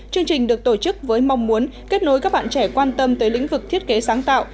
chương trình được tổ chức với mong muốn kết nối các bạn trẻ quan tâm tới lĩnh vực thiết kế sáng tạo